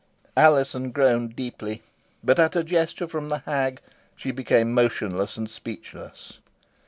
Alizon groaned deeply, but, at a gesture from the hag, she became motionless and speechless.